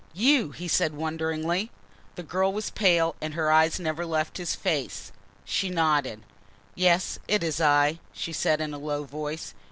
"You!" he said wonderingly. The girl was pale and her eyes never left his face. She nodded. "Yes, it is I," she said in a low voice.